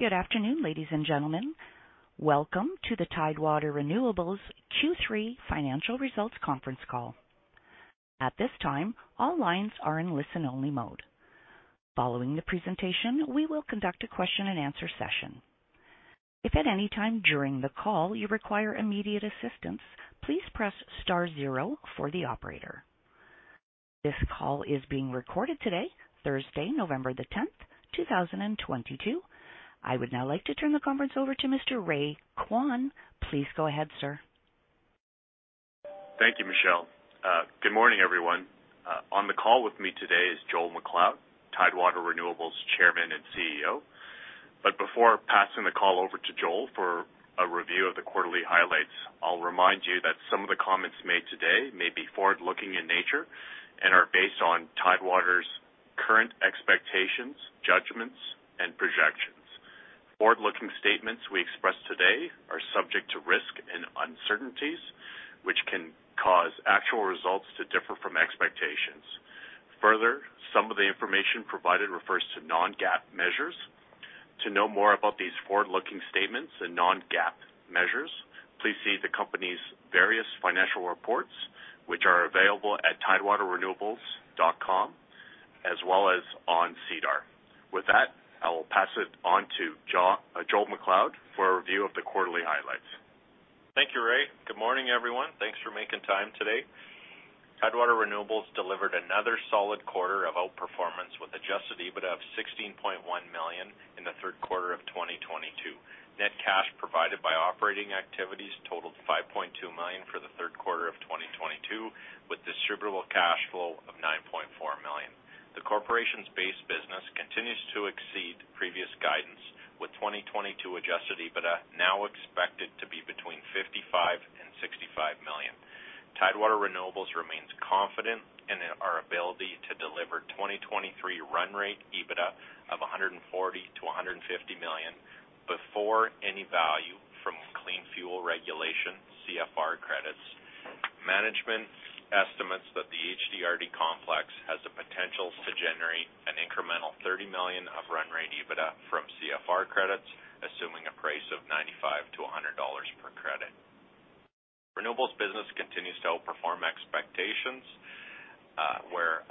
Good afternoon, ladies, and gentlemen. Welcome to the Tidewater Renewables Q3 Financial Results Conference Call. At this time, all lines are in listen-only mode. Following the presentation, we will conduct a question-and-answer session. If at any time during the call you require immediate assistance, please press star zero for the operator. This call is being recorded today, Thursday, November the 10th, 2022. I would now like to turn the conference over to Mr. Ray Kwan. Please go ahead, sir. Thank you, Michelle. Good morning, everyone. On the call with me today is Joel MacLeod, Tidewater Renewables Chairman and CEO. Before passing the call over to Joel for a review of the quarterly highlights, I'll remind you that some of the comments made today may be forward-looking in nature and are based on Tidewater's current expectations, judgments, and projections. Forward-looking statements we express today are subject to risk and uncertainties, which can cause actual results to differ from expectations. Further, some of the information provided refers to non-GAAP measures. To know more about these forward-looking statements and non-GAAP measures, please see the company's various financial reports, which are available at tidewaterrenewables.com as well as on SEDAR. With that, I will pass it on to Joel MacLeod for a review of the quarterly highlights. Thank you, Ray. Good morning, everyone. Thanks for making time today. Tidewater Renewables delivered another solid quarter of outperformance with Adjusted EBITDA of 16.1 million in the third quarter of 2022. Net cash provided by operating activities totaled 5.2 million for the third quarter of 2022, with distributable cash flow of 9.4 million. The corporation's base business continues to exceed previous guidance, with 2022 Adjusted EBITDA now expected to be between 55 million and 65 million. Tidewater Renewables remains confident in our ability to deliver 2023 run rate EBITDA of 140 million-150 million before any value from Clean Fuel Regulation CFR credits. Management estimates that the HDRD complex has the potential to generate an incremental 30 million of run rate EBITDA from CFR credits, assuming a price of $95-$100 per credit. Renewables business continues to outperform expectations, where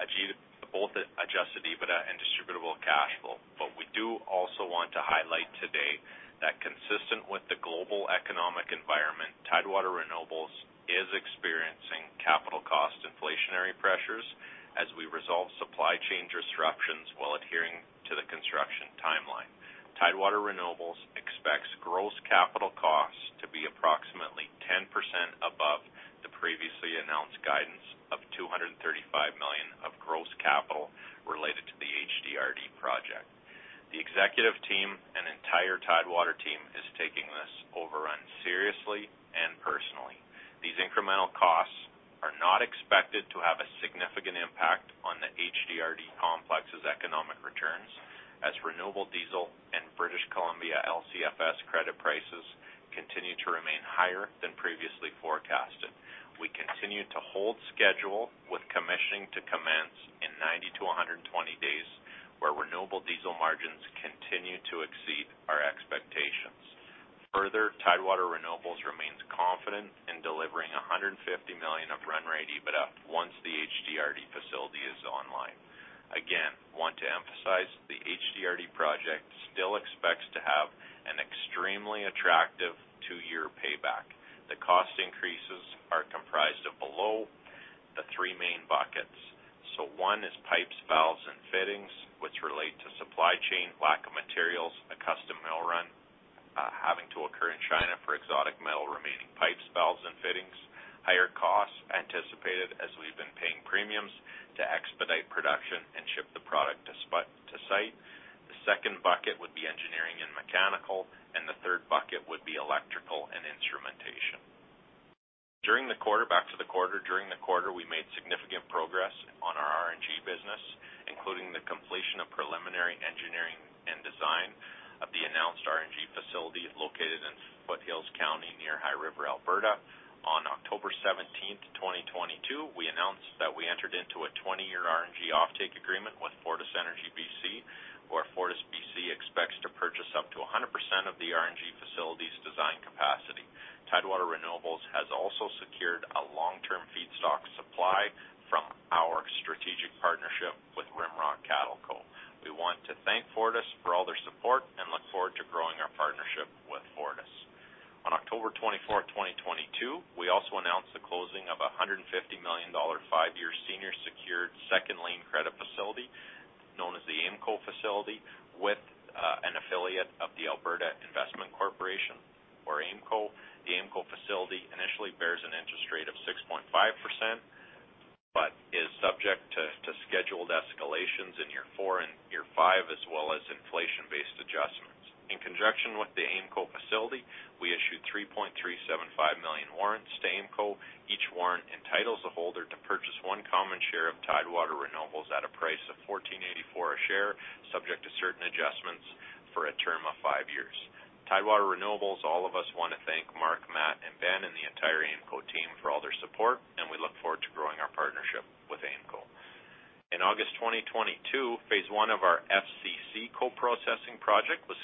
both Adjusted EBITDA and distributable cash flow. We do also want to highlight today that consistent with the global economic environment, Tidewater Renewables is experiencing capital cost inflationary pressures as we resolve supply chain disruptions while adhering to the construction timeline. Tidewater Renewables expects gross capital costs to be approximately 10% above the previously announced guidance of 235 million of gross capital related to the HDRD project. The executive team and entire Tidewater team is taking this overrun seriously and personally. These incremental costs are not expected to have a significant impact on the HDRD complex's economic returns, as renewable diesel and British Columbia LCFS credit prices continue to remain higher than previously forecasted. We continue to hold schedule with commissioning to commence in 90-120 days, where renewable diesel margins continue to exceed our expectations. Further, Tidewater Renewables remains confident in delivering 150 million of run rate EBITDA once the HDRD facility is online. Again, want to emphasize the HDRD project still expects to have an extremely attractive two-year payback. The cost increases are comprised of below the three main buckets. One is pipes, valves, and fittings, which relate to supply chain, lack of materials, a custom mill run, having to occur in China for exotic metal, remaining pipes, valves, and fittings. Higher costs anticipated as we've been paying premiums to expedite production and ship the product to site. The second bucket would be engineering and mechanical, and the third bucket would be electrical and instrumentation. During the quarter, we made significant progress on our RNG business, including the completion of preliminary engineering and design of the announced RNG facility located in Foothills County near High River, Alberta. On October 17th, 2022, we announced that we entered into a 20-year RNG offtake agreement with FortisBC Energy, where FortisBC expects to purchase up to 100% of the RNG facility's design capacity. Tidewater Renewables has also secured a long-term feedstock supply from our strategic partnership with Rimrock Cattle Company Ltd. We want to thank Fortis for all their support and look forward to growing our partnership with Fortis. On October 24th, 2022, we also announced the closing of 150 million dollar five-year senior secured second-lien credit facility known as the AIMCo facility with an affiliate of the Alberta Investment Management Corporation or AIMCo. The AIMCo facility initially bears an interest rate of 6.5%, but is subject to scheduled escalations in year four and year five as well as inflation-based adjustments. In conjunction with the AIMCo facility, we issued 3.375 million warrants to AIMCo. Each warrant entitles a holder to purchase one common share of Tidewater Renewables at a price of CAD 14.84 a share, subject to certain adjustments for a term of five years. Tidewater Renewables, all of us want to thank Mark, Matt, and Ben and the entire AIMCo team for all their support, and we look forward to growing our partnership with AIMCo. In August 2022, phase I of our FCC co-processing project was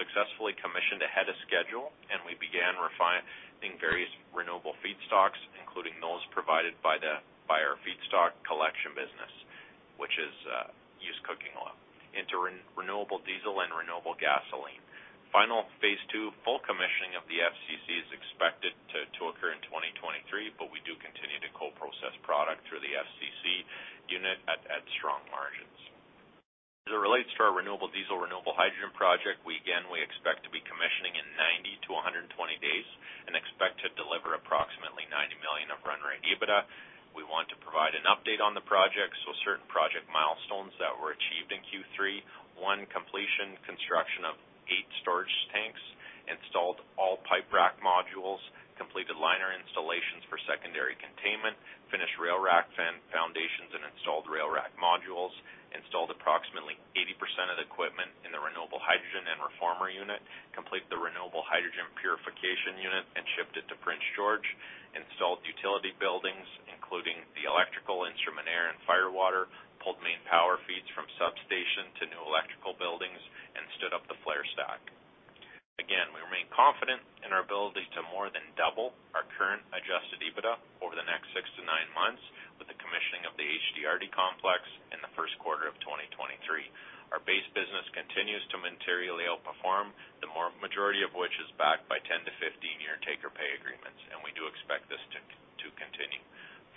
successfully commissioned ahead of schedule, and we began refining various renewable feedstocks, including those provided by our feedstock collection business, which is used cooking oil into renewable diesel and renewable gasoline. Final phase II full commissioning of the FCC is expected to occur in 2023, but we do continue to co-process product through the FCC unit at strong margins. As it relates to our renewable diesel, renewable hydrogen project, we expect to be commissioning in 90-120 days and expect to deliver approximately 90 million of run rate EBITDA. We want to provide an update on the project, so certain project milestones that were achieved in Q3. One, completion of construction of eight storage tanks, installed all pipe rack modules, completed liner installations for secondary containment, finished rail rack fan foundations, and installed rail rack modules. Installed approximately 80% of the equipment in the renewable hydrogen and reformer unit. Completed the renewable hydrogen purification unit and shipped it to Prince George. Installed utility buildings, including the electrical, instrumentation, air, and fire water. Pulled main power feeds from substation to new electrical buildings and stood up the flare stack. Again, we remain confident in our ability to more than double our current Adjusted EBITDA over the next six to nine months with the commissioning of the HDRD complex in the first quarter of 2023. Our base business continues to materially outperform, the majority of which is backed by 10-15 year take or pay agreements, and we do expect this to continue.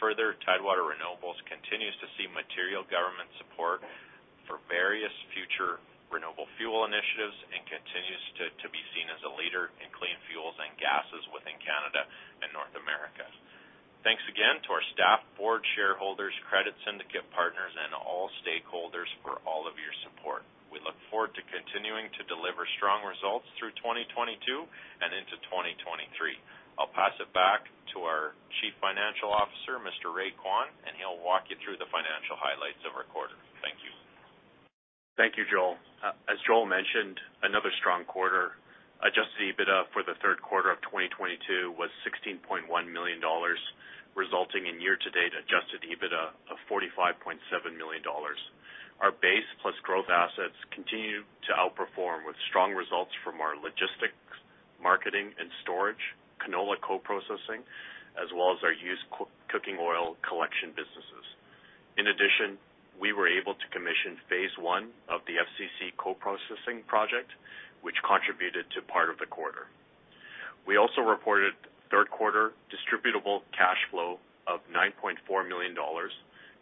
Further, Tidewater Renewables continues to see material government support for various future renewable fuel initiatives and continues to be seen as a leader in clean fuels and gases within Canada and North America. Thanks again to our staff, board, shareholders, credit syndicate partners, and all stakeholders for all of your support. We look forward to continuing to deliver strong results through 2022 and into 2023. I'll pass it back to our Chief Financial Officer, Mr. Ray Kwan, and he'll walk you through the financial highlights of our quarter. Thank you. Thank you, Joel. As Joel mentioned, another strong quarter. Adjusted EBITDA for the third quarter of 2022 was 16.1 million dollars, resulting in year-to-date Adjusted EBITDA of 45.7 million dollars. Our base plus growth assets continue to outperform with strong results from our logistics, marketing and storage, canola co-processing, as well as our used cooking oil collection businesses. In addition, we were able to commission phase I of the FCC co-processing project, which contributed to part of the quarter. We also reported third quarter distributable cash flow of 9.4 million dollars,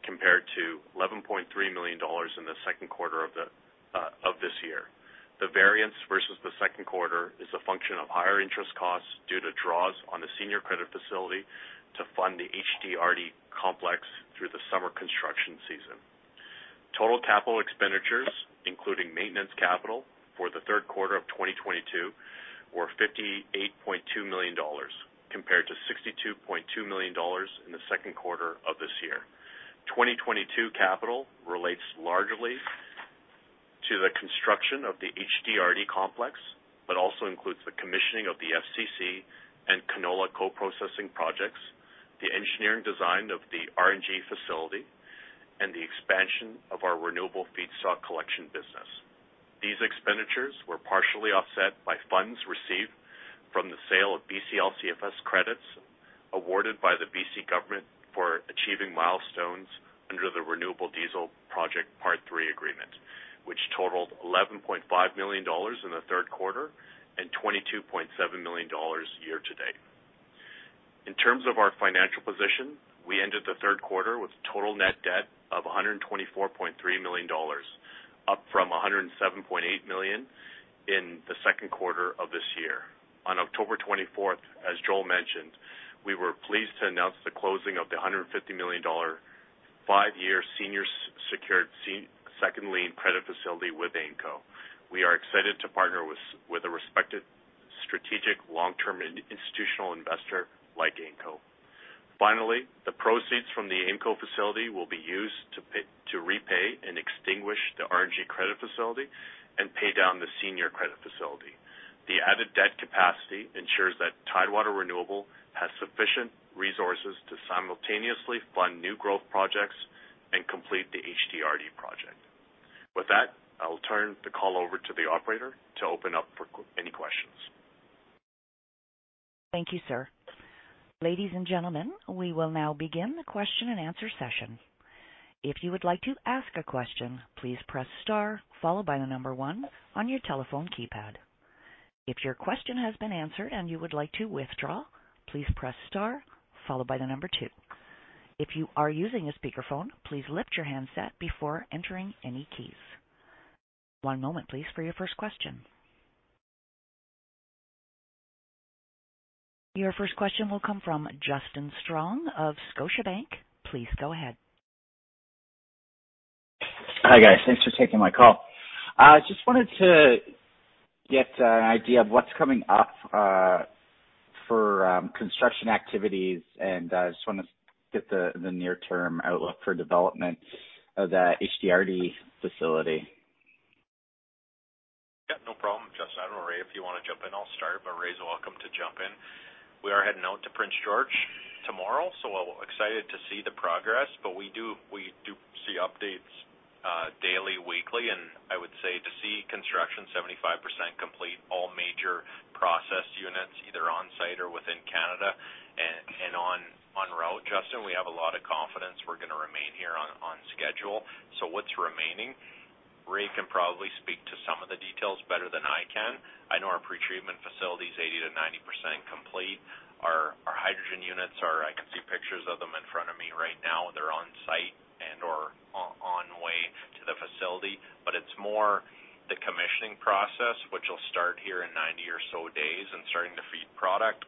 compared to 11.3 million dollars in the second quarter of this year. The variance versus the second quarter is a function of higher interest costs due to draws on the senior credit facility to fund the HDRD complex through the summer construction season. Total capital expenditures, including maintenance capital for the third quarter of 2022, were 58.2 million dollars, compared to 62.2 million dollars in the second quarter of this year. 2022 capital relates largely to the construction of the HDRD complex, but also includes the commissioning of the FCC and canola co-processing projects, the engineering design of the RNG facility, and the expansion of our renewable feedstock collection business. These expenditures were partially offset by funds received from the sale of BC LCFS credits awarded by the BC government for achieving milestones under the Renewable Diesel Project Part 3 Agreement, which totaled 11.5 million dollars in the third quarter and 22.7 million dollars year-to-date. In terms of our financial position, we ended the third quarter with total net debt of 124.3 million dollars, up from 107.8 million in the second quarter of this year. On October 24th, as Joel mentioned, we were pleased to announce the closing of the 150 million dollar five-year senior secured second lien credit facility with AIMCo. We are excited to partner with a respected strategic long-term institutional investor like AIMCo. Finally, the proceeds from the AIMCo facility will be used to repay and extinguish the RNG credit facility and pay down the senior credit facility. The added debt capacity ensures that Tidewater Renewables has sufficient resources to simultaneously fund new growth projects and complete the HDRD project. With that, I'll turn the call over to the operator to open up for any questions. Thank you, sir. Ladies, and gentlemen, we will now begin the question-and-answer session. If you would like to ask a question, please press star followed by the number one on your telephone keypad. If your question has been answered and you would like to withdraw, please press star followed by the number two. If you are using a speakerphone, please lift your handset before entering any keys. One moment please for your first question. Your first question will come from Justin Strong of Scotiabank. Please go ahead. Hi, guys. Thanks for taking my call. Just wanted to get an idea of what's coming up for construction activities, and just wanna get the near-term outlook for development of the HDRD facility. If you wanna jump in, I'll start, but Ray's welcome to jump in. We are heading out to Prince George tomorrow, so excited to see the progress. We do see updates daily, weekly, and I would say to see construction 75% complete, all major process units either on site or within Canada and en route. Justin, we have a lot of confidence we're gonna remain here on schedule. What's remaining? Ray can probably speak to some of the details better than I can. I know our pretreatment facility is 80%-90% complete. Our hydrogen units are. I can see pictures of them in front of me right now. They're on site or on way to the facility. It's more the commissioning process, which will start here in 90 or so days, and starting to feed product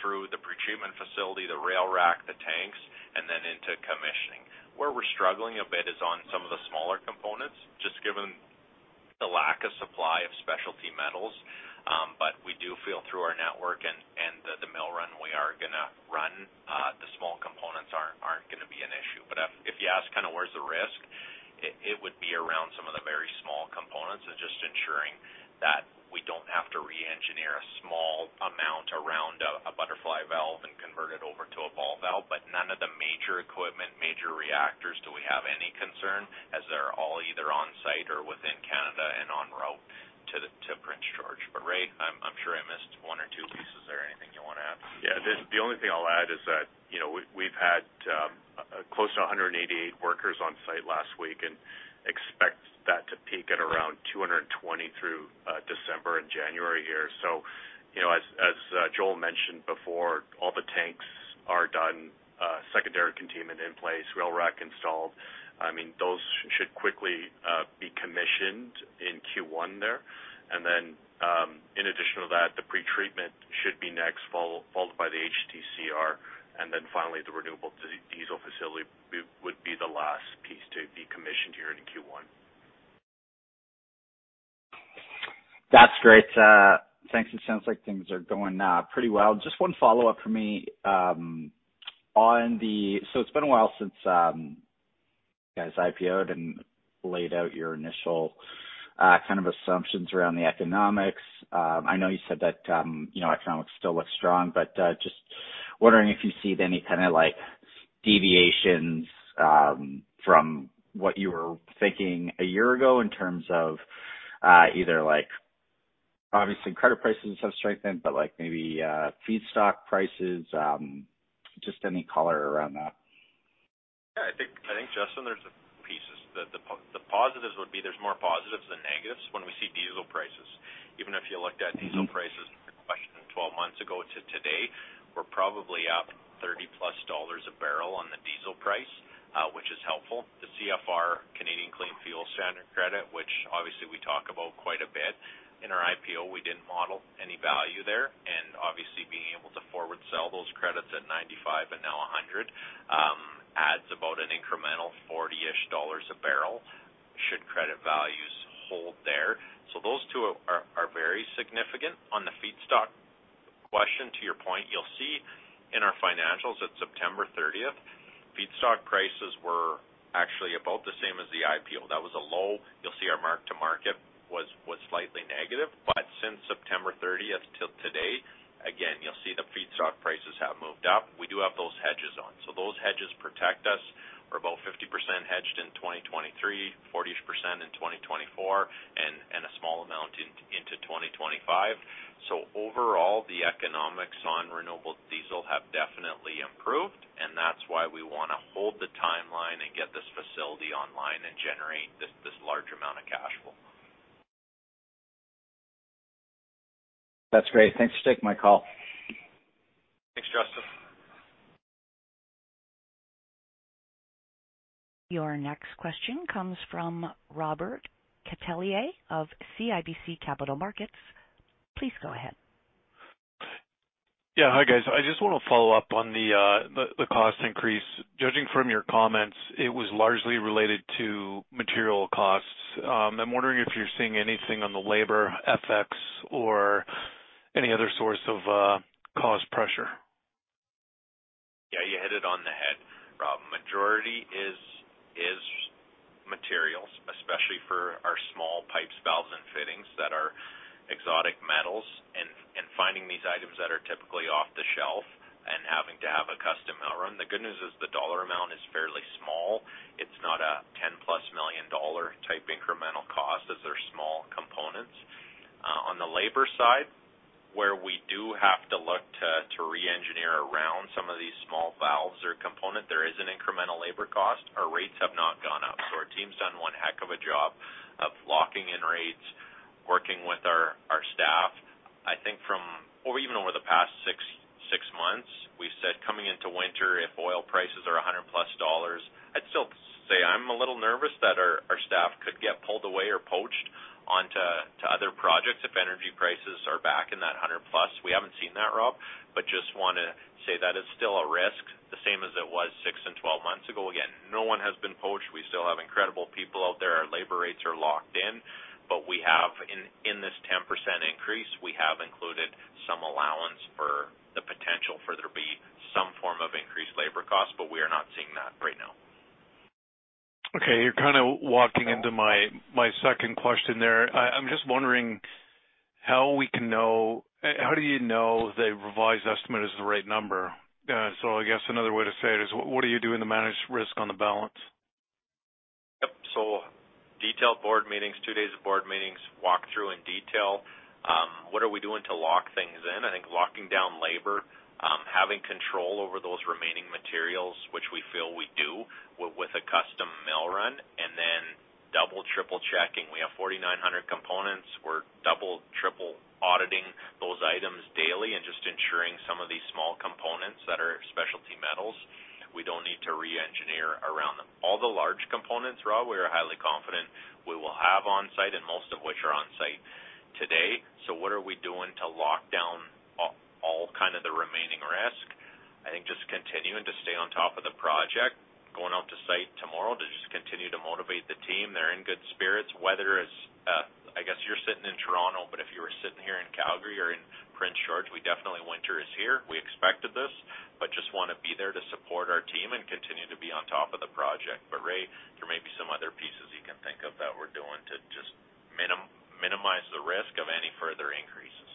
through the pretreatment facility, the rail rack, the tanks, and then into commissioning. Where we're struggling a bit is on some of the smaller components, just given the lack of supply of specialty metals. We do feel through our network and the mill run we are gonna run, the small components aren't gonna be an issue. If you ask kinda where's the risk, it would be around some of the very small components and just ensuring that we don't have to re-engineer a small amount around a butterfly valve and convert it over to a ball valve. None of the major equipment, major reactors, do we have any concern, as they're all either on site or within Canada and en route to Prince George. Ray, I'm sure I missed one or two pieces. Is there anything you wanna add? Yeah. The only thing I'll add is that, you know, we've had close to 188 workers on site last week and expect that to peak at around 220 through December and January here. You know, as Joel mentioned before, all the tanks are done, secondary containment in place, rail rack installed. I mean, those should quickly be commissioned in Q1 there. In addition to that, the pretreatment should be next, followed by the HDRD, and then finally, the renewable diesel facility would be the last piece to be commissioned here into Q1. That's great. Thanks. It sounds like things are going pretty well. Just one follow-up from me. It's been a while since you guys IPO'd and laid out your initial kind of assumptions around the economics. I know you said that, you know, economics still look strong, but just wondering if you see any kinda like deviations from what you were thinking a year ago in terms of either like obviously credit prices have strengthened, but like maybe feedstock prices just any color around that. Yeah, I think, Justin, there are a few pieces. The positives would be there are more positives than negatives when we see diesel prices. Even if you looked at diesel prices in your question 12 months ago to today, we are probably up $30+ a barrel on the diesel price, which is helpful. The CFR, Clean Fuel Regulations credit, which obviously we talk about quite a bit. In our IPO, we did not model any value there. Obviously being able to forward sell those credits at $95 and now $100 adds about an incremental $40-ish a barrel should credit values hold there. Those two are very significant. On the feedstock question, to your point, you will see in our financials at September 30th, feedstock prices were actually about the same as the IPO. That was a low. You'll see our mark to market was slightly negative. Since September 30th till today, again, you'll see the feedstock prices have moved up. We do have those hedges on. Those hedges protect us. We're about 50% hedged in 2023, 40-ish% in 2024, and a small amount into 2025. Overall, the economics on renewable diesel have definitely improved, and that's why we wanna hold the timeline and get this facility online and generate this large amount of cash flow. That's great. Thanks for taking my call. Thanks, Justin. Your next question comes from Robert Catellier of CIBC Capital Markets. Please go ahead. Yeah. Hi, guys. I just wanna follow up on the cost increase. Judging from your comments, it was largely related to material costs. I'm wondering if you're seeing anything on the labor, FX, or any other source of cost pressure. Yeah, you hit it on the head, Rob. Majority is materials, especially for our small pipes, valves, and fittings that are exotic metals and finding these items that are typically off the shelf and having to have a custom mill run. The good news is the dollar amount is fairly small. It's not a 10+ million dollar type incremental cost as they're small components. On the labor side, where we do have to look to re-engineer around some of these small valves or component, there is an incremental labor cost. Our rates have not gone up, so our team's done one heck of a job of locking in rates, working with our staff. I think from, or even over the past six months, we've said coming into winter, if oil prices are $100+, I'd still say I'm a little nervous that our staff could get pulled away or poached onto other projects if energy prices are back in that $100+. We haven't seen that, Rob, but just wanna say that it's still a risk, the same as it was six and 12 months ago. Again, no one has been poached. We still have incredible people out there. Our labor rates are locked in, but we have in this 10% increase, we have included some allowance for labor costs, but we are not seeing that right now. Okay. You're kinda walking into my second question there. I'm just wondering. How do you know the revised estimate is the right number? I guess another way to say it is what are you doing to manage risk on the balance? Yep. Detailed board meetings, two days of board meetings, walk through in detail, what are we doing to lock things in. I think locking down labor, having control over those remaining materials, which we feel we do with a custom mill run, and then double, triple-checking. We have 4,900 components. We're double, triple auditing those items daily and just ensuring some of these small components that are specialty metals, we don't need to re-engineer around them. All the large components, Rob, we are highly confident we will have on-site and most of which are on-site today. What are we doing to lock down all kind of the remaining risk? I think just continuing to stay on top of the project, going out to site tomorrow to just continue to motivate the team. They're in good spirits. Weather is. I guess you're sitting in Toronto, but if you were sitting here in Calgary or in Prince George, we definitely, winter is here. We expected this, but just wanna be there to support our team and continue to be on top of the project. Ray, there may be some other pieces you can think of that we're doing to just minimize the risk of any further increases.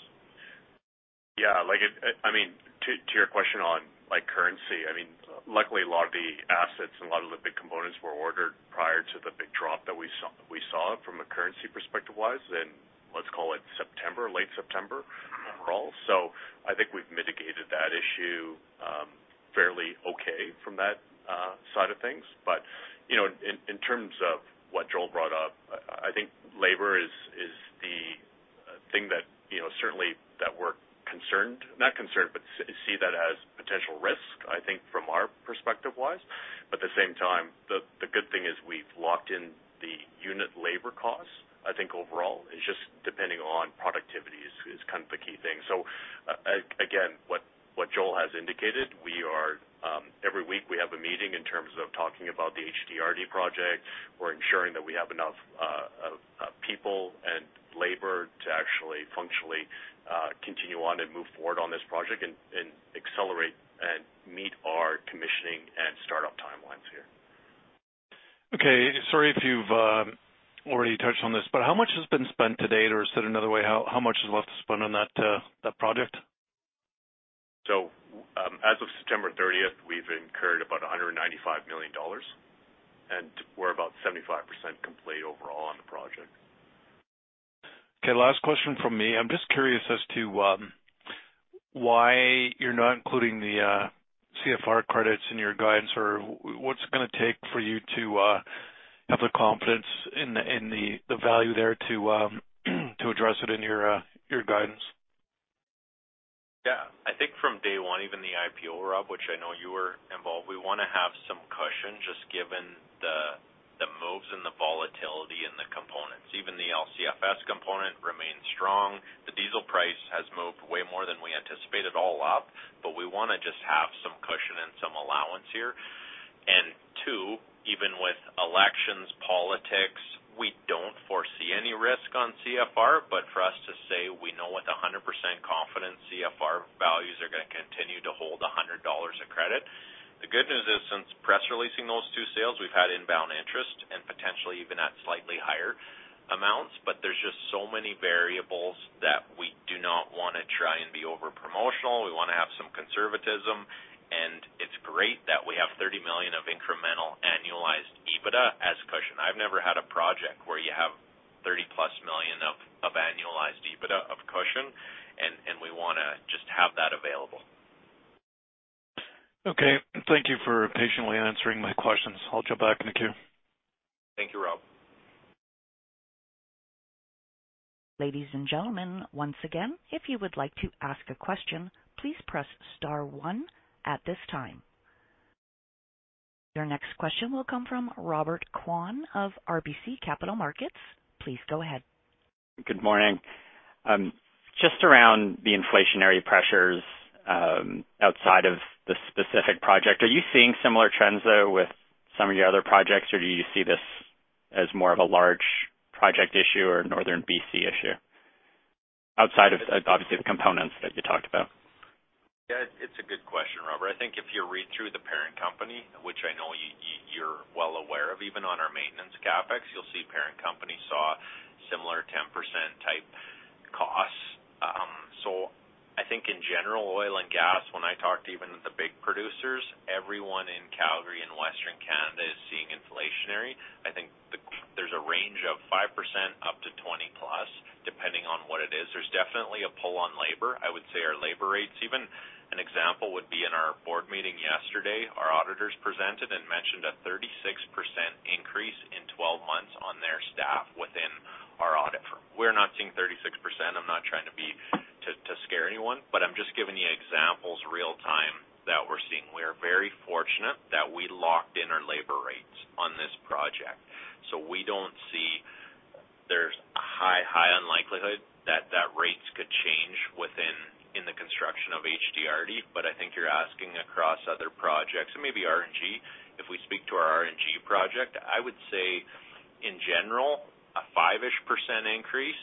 Yeah. Like, I mean, to your question on, like, currency, I mean, luckily, a lot of the assets and a lot of the big components were ordered prior to the big drop that we saw from a currency perspective-wise in, let's call it September, late September overall. I think we've mitigated that issue, fairly okay from that side of things. You know, in terms of what Joel brought up, I think labor is the thing that, you know, certainly that we're concerned. Not concerned, but see that as potential risk, I think, from our perspective-wise. At the same time, the good thing is we've locked in the unit labor costs, I think, overall. It's just depending on productivity is kind of the key thing. Again, what Joel has indicated, every week we have a meeting in terms of talking about the HDRD project. We're ensuring that we have enough people and labor to actually functionally continue on and move forward on this project and accelerate and meet our commissioning and startup timelines here. Okay. Sorry if you've already touched on this, but how much has been spent to date? Or said another way, how much is left to spend on that project? As of September 30th, we've incurred about 195 million dollars, and we're about 75% complete overall on the project. Okay, last question from me. I'm just curious as to why you're not including the CFR credits in your guidance, or what's it gonna take for you to have the confidence in the value there to address it in your guidance? Yeah. I think from day one, even the IPO, Rob, which I know you were involved, we wanna have some cushion, just given the moves and the volatility in the components. Even the LCFS component remains strong. The diesel price has moved way more than we anticipated all up, but we wanna just have some cushion and some allowance here. Two, even with elections, politics, we don't foresee any risk on CFR. For us to say we know with 100% confidence CFR values are gonna continue to hold $100 a credit. The good news is, since press releasing those two sales, we've had inbound interest and potentially even at slightly higher amounts. There's just so many variables that we do not wanna try and be over promotional. We wanna have some conservatism, and it's great that we have 30 million of incremental annualized EBITDA as cushion. I've never had a project where you have 30+ million of annualized EBITDA of cushion, and we wanna just have that available. Okay. Thank you for patiently answering my questions. I'll jump back in the queue. Thank you, Rob. Ladies, and gentlemen, once again, if you would like to ask a question, please press star one at this time. Your next question will come from Robert Kwan of RBC Capital Markets. Please go ahead. Good morning. Just around the inflationary pressures, outside of the specific project, are you seeing similar trends, though, with some of your other projects, or do you see this as more of a large project issue or Northern BC issue? Outside of, obviously, the components that you talked about. Yeah, it's a good question, Robert. I think if you read through the parent company, which I know you're well aware of, even on our maintenance CapEx, you'll see parent company saw similar 10% type costs. I think in general, oil and gas, when I talk to even the big producers, everyone in Calgary and Western Canada is seeing inflationary. I think there's a range of 5% up to 20%+, depending on what it is. There's definitely a pull on labor. I would say our labor rates even. An example would be in our board meeting yesterday, our auditors presented and mentioned a 36% increase in 12 months on their staff within our audit firm. We're not seeing 36%. I'm not trying to scare anyone, but I'm just giving you examples real-time that we're seeing. We are very fortunate that we locked in our labor rates on this project. We don't see there's high unlikelihood that rates could change within the construction of HDRD. I think you're asking across other projects and maybe RNG. If we speak to our RNG project, I would say, in general, a 5% increase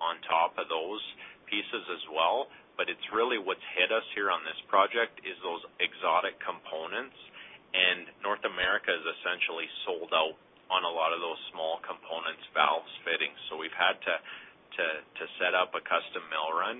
on top of those pieces as well. It's really what's hit us here on this project is those exotic components, and North America is essentially sold out on a lot of those small components, valves, fittings. We've had to set up a custom mill run.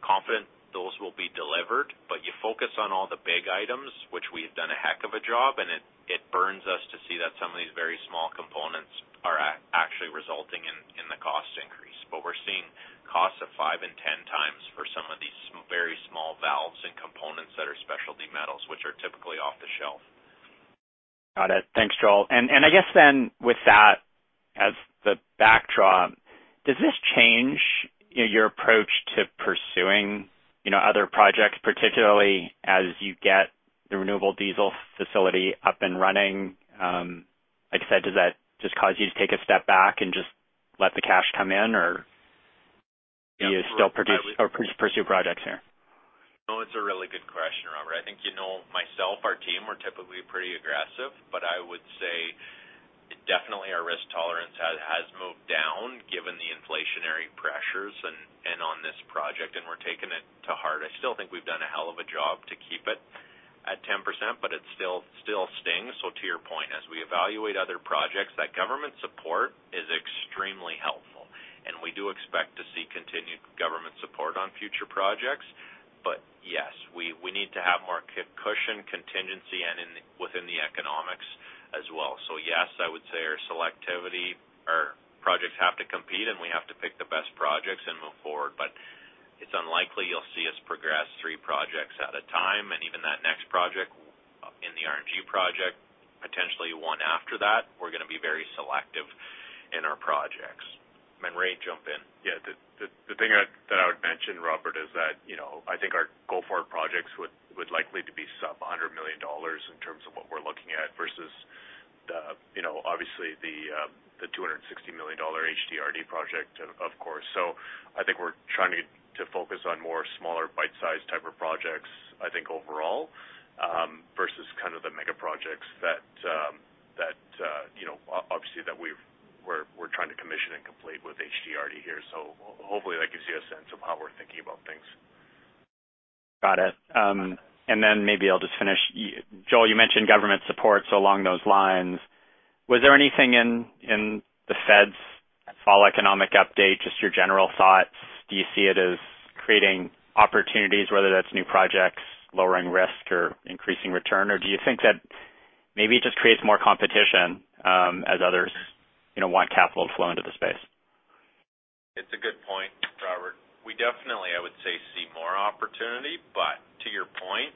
Confident those will be delivered, but you focus on all the big items, which we've done a heck of a job, and it burns us to see that some of these very small components are actually resulting in the cost increase. We're seeing costs of five and 10 times for some of these very small valves and components that are specialty metals, which are typically off the shelf. Got it. Thanks, Joel. I guess then with that as the backdrop, does this change your approach to pursuing, you know, other projects, particularly as you get the renewable diesel facility up and running? Like I said, does that just cause you to take a step back and just let the cash come in or do you still pursue projects here? No, it's a really good question, Robert. I think you know myself, our team, we're typically pretty aggressive, but I would say definitely our risk tolerance has moved down given the inflationary pressures and on this project, and we're taking it to heart. I still think we've done a hell of a job to keep it at 10%, but it still stings. To your point, as we evaluate other projects, that government support is extremely helpful and we do expect to see continued government support on future projects. Yes, we need to have more cushion, contingency and within the economics as well. I would say our selectivity or projects have to compete and we have to pick the best projects and move forward. It's unlikely you'll see us progress three projects at a time and even that next project in the RNG project, potentially one after that. We're gonna be very selective in our projects. Ray, jump in. Yeah. The thing that I would mention, Robert, is that, you know, I think our go-forward projects would likely to be sub 100 million dollars in terms of what we're looking at versus the, you know, obviously the 260 million dollar HDRD project, of course. I think we're trying to focus on more smaller bite-sized type of projects, I think overall, versus kind of the mega projects that, you know, obviously that we're trying to commission and complete with HDRD here. Hopefully that gives you a sense of how we're thinking about things. Got it. Maybe I'll just finish. Joel, you mentioned government support. Along those lines, was there anything in the feds' fall economic update, just your general thoughts, do you see it as creating opportunities, whether that's new projects, lowering risk or increasing return? Or do you think that maybe it just creates more competition, as others, you know, want capital to flow into the space? It's a good point, Robert. We definitely, I would say, see more opportunity. To your point,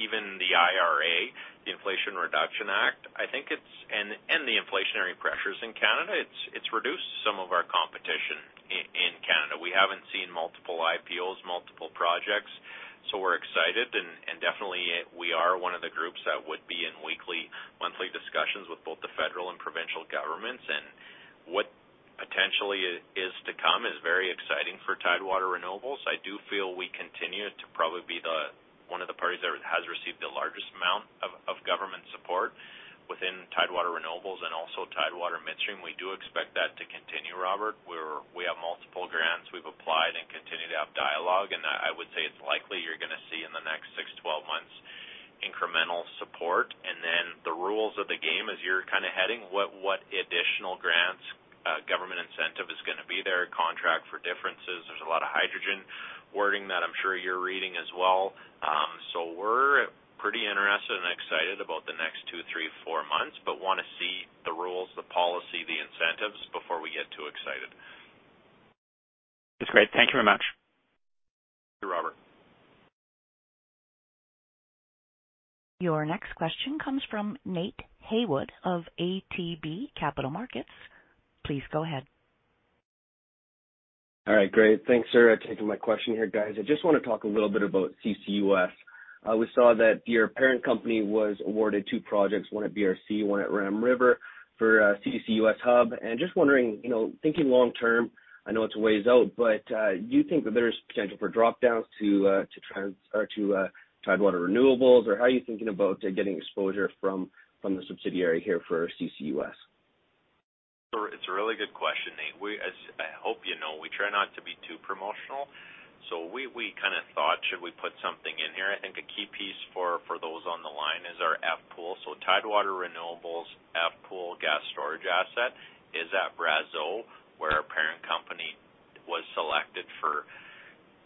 even the IRA, the Inflation Reduction Act, I think it's and the inflationary pressures in Canada, it's reduced some of our competition in Canada. We haven't seen multiple IPOs, multiple projects, so we're excited and definitely we are one of the groups that would be in weekly, monthly discussions with both the federal and provincial governments. What potentially is to come is very exciting for Tidewater Renewables. I do feel we continue to probably be one of the parties that has received the largest amount of government support within Tidewater Renewables and also Tidewater Midstream. We do expect that to continue, Robert. We have multiple grants we've applied and continue to have dialogue. I would say it's likely you're gonna see in the next six to 12 months incremental support. Then the rules of the game, as you're kinda heading, what additional grants, government incentive is gonna be there, contract for differences. There's a lot of hydrogen wording that I'm sure you're reading as well. We're pretty interested and excited about the next two, three, four months, but wanna see the rules, the policy, the incentives before we get too excited. That's great. Thank you very much. Thank you, Robert. Your next question comes from Nate Heywood of ATB Capital Markets. Please go ahead. All right, great. Thanks for taking my question here, guys. I just wanna talk a little bit about CCUS. We saw that your parent company was awarded two projects, one at BRC, one at Ram River for CCUS hub. Just wondering, you know, thinking long-term, I know it's a ways out, but do you think that there's potential for drop-downs to Tidewater Renewables? Or how are you thinking about getting exposure from the subsidiary here for CCUS? Sure. It's a really good question, Nate. We as I hope you know, we try not to be too promotional. We kinda thought, should we put something in here? I think a key piece for those on the line is our F-pool. Tidewater Renewables F-pool gas storage asset is at Brazeau, where our parent company was selected for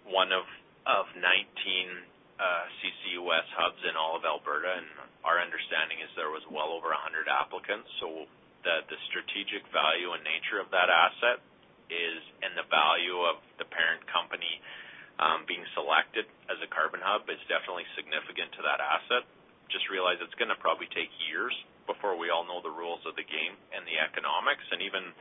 one of 19 CCUS hubs in all of Alberta, and our understanding is there was well over 100 applicants. The strategic value and nature of that asset is, and the value of the parent company being selected as a carbon hub is definitely significant to that asset. Just realize it's gonna probably take years before we all know the rules of the game and the economics. Even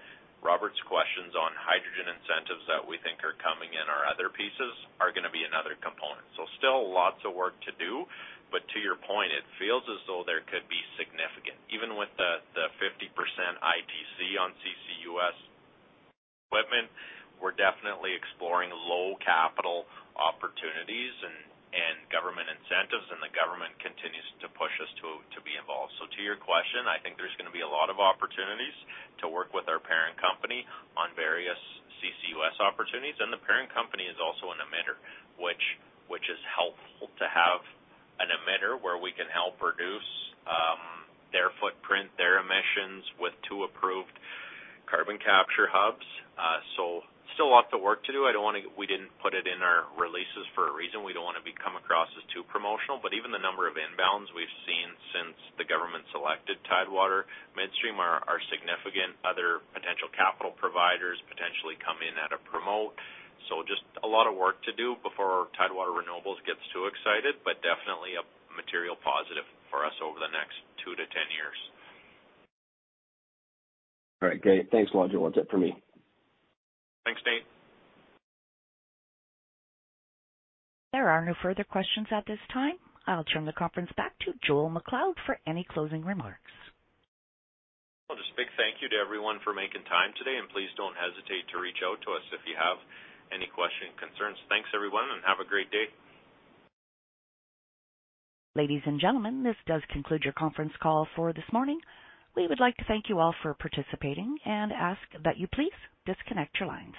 Robert's questions on hydrogen incentives that we think are coming in or other pieces are gonna be another component. Still lots of work to do, but to your point, it feels as though there could be significant. Even with the 50% ITC on CCUS equipment, we're definitely exploring low capital opportunities and government incentives, and the government continues to push us to be involved. To your question, I think there's gonna be a lot of opportunities to work with our parent company on various CCUS opportunities. The parent company is also an emitter, which is helpful to have an emitter where we can help reduce their footprint, their emissions with two approved carbon capture hubs. Still lots of work to do. We didn't put it in our releases for a reason. We don't wanna come across as too promotional, but even the number of inbounds we've seen since the government selected Tidewater Midstream are significant. Other potential capital providers potentially come in at a promote. Just a lot of work to do before Tidewater Renewables gets too excited, but definitely a material positive for us over the next two to 10 years. All right, great. Thanks a lot, Joel. That's it for me. Thanks, Nate. There are no further questions at this time. I'll turn the conference back to Joel MacLeod for any closing remarks. Well, just big thank you to everyone for making time today, and please don't hesitate to reach out to us if you have any questions, concerns. Thanks, everyone, and have a great day. Ladies, and gentlemen, this does conclude your conference call for this morning. We would like to thank you all for participating and ask that you please disconnect your lines.